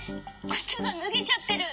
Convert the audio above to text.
くつがぬげちゃってる！